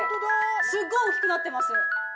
すっごい大きくなってます。